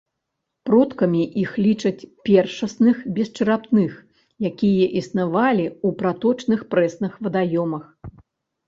Продкамі іх лічаць першасных бесчарапных, якія існавалі ў праточных прэсных вадаёмах.